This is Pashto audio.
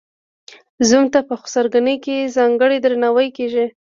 زوم ته په خسرګنۍ کې ځانګړی درناوی کیږي.